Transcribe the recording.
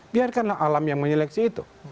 biarkanlah alam yang menyeleksi itu